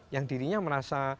yang dirinya merasa